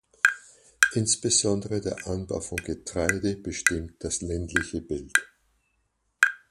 Insbesondere der Anbau von Getreide bestimmt das ländliche Bild.